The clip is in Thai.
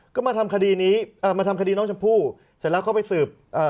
ก็มาทำคดีนี้อ่ามาทำคดีน้องชมพู่เสร็จแล้วเขาไปสืบเอ่อ